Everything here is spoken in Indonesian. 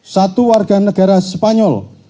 satu warga negara spanyol